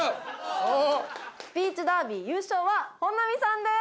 スピーチダービー優勝は本並さんです！